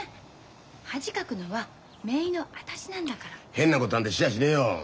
変なことなんてしやしねえよ。